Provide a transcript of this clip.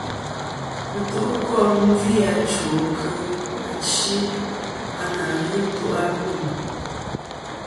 Ɨtu'kom gvi achwo kɨ achi a ǹà ghɨ ɨtu' ɨtu'abûm.